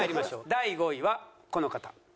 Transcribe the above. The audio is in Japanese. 第５位はこの方。